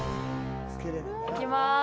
いきます。